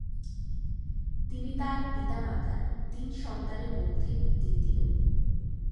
তিনি তার পিতামাতার তিন সন্তানের মধ্যে দ্বিতীয়।